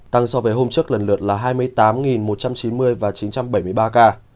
tăng so với hôm trước lần lượt là hai mươi tám một trăm chín mươi và chín trăm bảy mươi ba ca